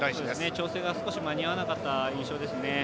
調整が間に合わなかった印象ですね。